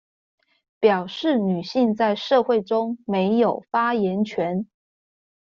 表示女性在社會中沒有發言權